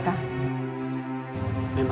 mak malas ketemu mereka